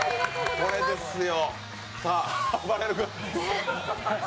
これですよ。